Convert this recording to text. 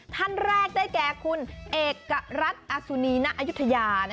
ท่านแรกได้แก่คุณเอกรัฐอสุนีณอายุทยา